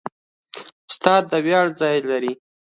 استاد د ویاړ ځای لري.